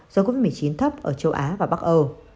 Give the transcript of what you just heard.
do covid một mươi chín thấp ở châu á và bắc âu